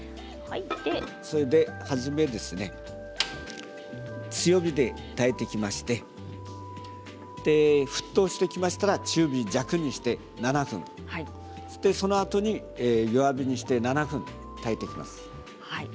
最初強火で炊いていきまして沸騰してきましたら中火弱にして７分そのあとに弱火にして７分炊いていきます。